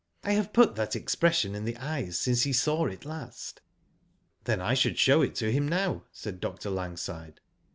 " I have put that expression in the eyes since he saw it last.*" " Then I should show it him now," said Dr. Langside.